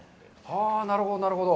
なるほど、なるほど。